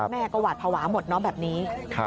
แม่ก็หวาดภาวะหมดเนาะแบบนี้